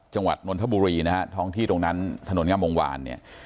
นนทบุรีนะฮะท้องที่ตรงนั้นถนนงามวงวานเนี่ย